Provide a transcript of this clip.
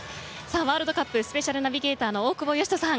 ワールドカップスペシャルナビゲーターの大久保嘉人さん